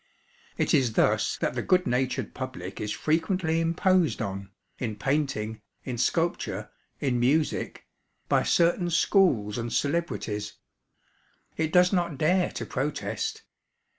It is thus that the good natured public is frequently imposed on, in painting, in sculpture, in music, by certain schools and celebrities. It does not dare to protest.